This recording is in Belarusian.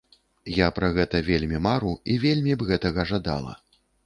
Я пра гэта вельмі мару, і вельмі б гэтага жадала.